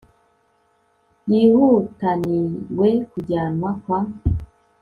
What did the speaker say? yihutaniwe kujyanwa kwa